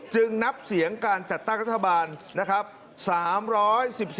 นับเสียงการจัดตั้งรัฐบาลนะครับ